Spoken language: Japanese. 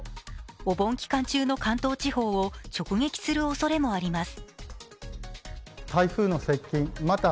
お盆期間中の関東地方を直撃するおそれもあります。